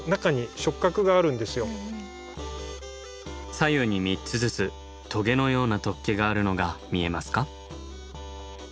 左右に３つずつとげのような突起があるのが見えますか？